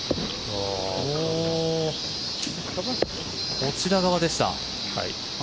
こちら側でした。